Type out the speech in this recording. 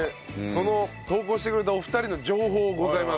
その投稿してくれたお二人の情報ございます。